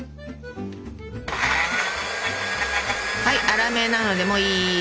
はい粗めなのでもういい。